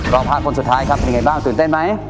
อย่างว่าท่าคนสุดท้ายครับเป็นไงแบบตื่นเต้นมั้ย